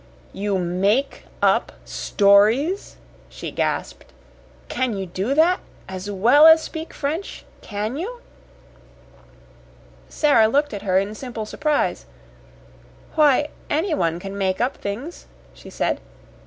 "You MAKE up stories!" she gasped. "Can you do that as well as speak French? CAN you?" Sara looked at her in simple surprise. "Why, anyone can make up things," she said.